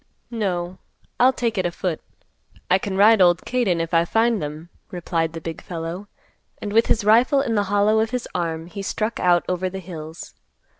"No, I'll take it a foot. I can ride old Kate in, if I find them," replied the big fellow; and, with his rifle in the hollow of his arm, he struck out over the hills.